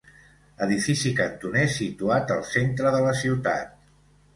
Edifici cantoner situat al centre de la ciutat.